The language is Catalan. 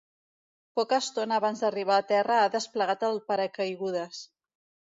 Poca estona abans d’arribar a terra ha desplegat el paracaigudes.